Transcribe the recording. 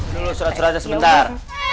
dulu surat suratnya sebentar